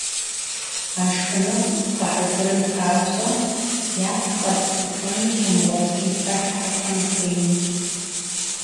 А шхыныгъуэр бгъэхьэзырын папщӀэ япэ къэс тыкуэным щумыгъуэтын хэлъхьэхэм ухуеинущ.